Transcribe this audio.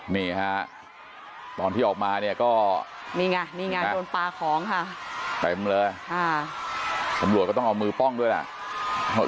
นี่ค่ะตอนที่ออกมาเนี่ยก็มีงานมีงานโดนปลาของค่ะไปเลยอ่ะสมรุยก็ต้องเอามือป้องด้วยนะครับ